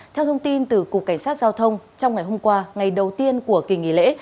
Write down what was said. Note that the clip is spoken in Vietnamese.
theo thông tin từ cục cảnh sát giao thông trong ngày hôm qua ngày đầu tiên của kỳ nghỉ lễ